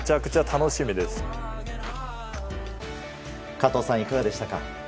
加藤さん、いかがでしたか？